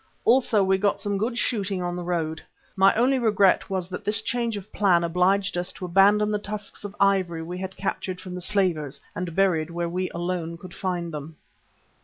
Also we got some good shooting on the road. My only regret was that this change of plan obliged us to abandon the tusks of ivory we had captured from the slavers and buried where we alone could find them.